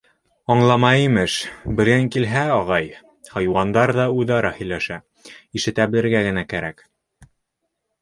— Аңламай, имеш, белгең килһә, ағай, хайуандар ҙа үҙ-ара һөйләшә, ишетә белергә генә кәрәк.